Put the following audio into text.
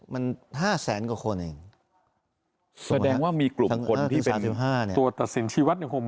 มันห้าแสนกว่าคนเองแสดงว่ามีกลุ่มคนที่เป็นตัวตัดสินชีวัตรเนี่ยคง